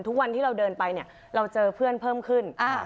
ทุกวันที่เราเดินไปเนี่ยเราเจอเพื่อนเพิ่มขึ้น